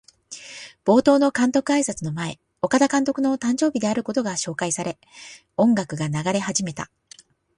冒頭の監督あいさつの前、岡田監督の誕生日であることが紹介され、音楽が流れ始めた。